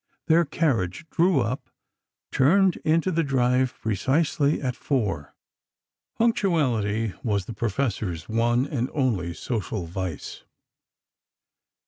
Their carriage drew up, turned into the drive precisely at four. Punctuality was the Professor's one and only social vice.